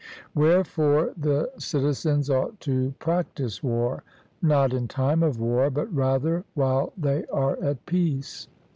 Wherefore the citizens ought to practise war not in time of war, but rather while they are at peace.